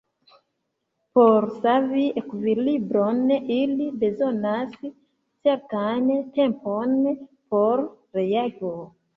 Por savi ekvilibron ili bezonas certan tempon por reago.